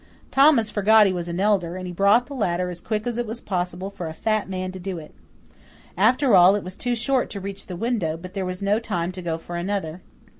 Thomas forgot he was an elder, and he brought the ladder as quick as it was possible for a fat man to do it. After all it was too short to reach the window, but there was no time to go for another.